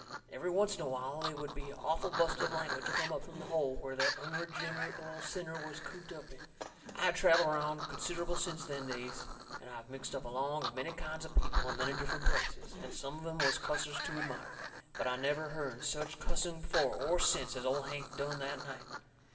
Every oncet in a while they would be a awful bust of language come up from that hole where that unreginerate old sinner was cooped up in. I have travelled around considerable since them days, and I have mixed up along of many kinds of people in many different places, and some of 'em was cussers to admire. But I never hearn such cussing before or since as old Hank done that night.